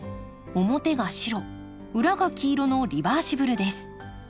表が白裏が黄色のリバーシブルです。